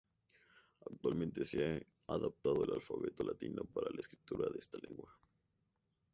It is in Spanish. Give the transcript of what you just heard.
Actualmente se ha adaptado el alfabeto latino para la escritura de esta lengua.